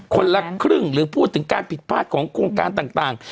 คนละครึ่งหรือพูดถึงการผิดพลาดของโครงการต่าง